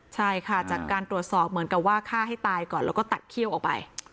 ใช่ค่ะจากการตรวจสอบเหมือนกับว่าฆ่าให้ตายก่อนแล้วก็ตัดเขี้ยวออกไป